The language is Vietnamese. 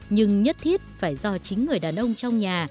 nhưng nhất thiết phải do chính người đàn ông trong nhà